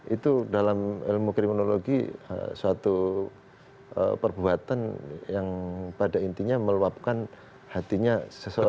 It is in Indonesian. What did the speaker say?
itu dalam ilmu kriminologi suatu perbuatan yang pada intinya meluapkan hatinya seseorang